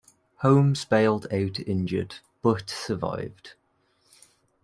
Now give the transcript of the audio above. Holmes bailed out injured but survived.